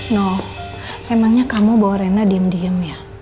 no emangnya kamu bawa rena diem diem ya